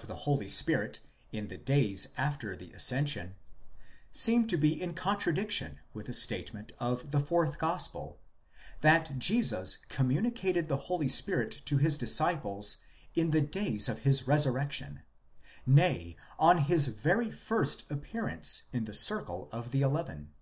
747 the Holy Spirit in the days after the ascension, seem to be in contradiction with the statement of the fourth gospel, that Jesus communicated the Holy Spirit to his disciples in the days of his resurrection, nay, on his very first appear ance in the circle of the eleven.